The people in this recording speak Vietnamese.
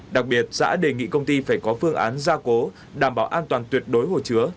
đặc biệt xã đề nghị công ty phải có phương án gia cố đảm bảo an toàn tuyệt đối hồ chứa